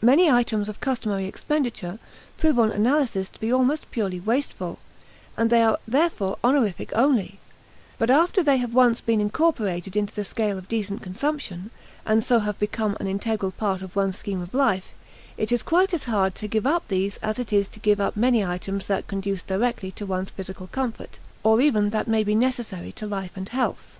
Many items of customary expenditure prove on analysis to be almost purely wasteful, and they are therefore honorific only, but after they have once been incorporated into the scale of decent consumption, and so have become an integral part of one's scheme of life, it is quite as hard to give up these as it is to give up many items that conduce directly to one's physical comfort, or even that may be necessary to life and health.